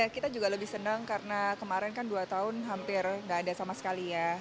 kita juga lebih senang karena kemarin kan dua tahun hampir nggak ada sama sekali ya